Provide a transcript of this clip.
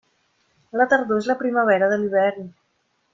La tardor és la primavera de l'hivern.